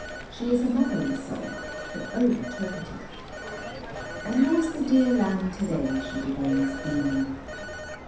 She is a motherly soul, but over talkative. "And how is the dear lamb to day?" she begins, beaming.